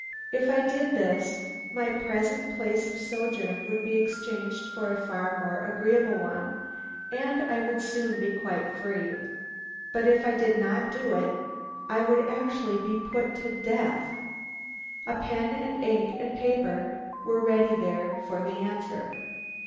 If I did this my present place of sojourn would be exchanged for a far more agreeable one, and I would soon be quite free. But if I did not do it, I would actually be put to death. A pen, ink and paper were ready there for the answer.